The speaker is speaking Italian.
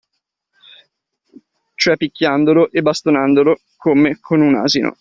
Cioè picchiandolo e bastonandolo come con un asino.